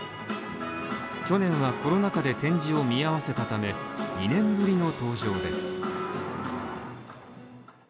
去年はコロナ禍で展示を見合わせたため、２年ぶりの登場です。